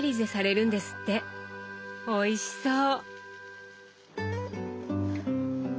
おいしそう！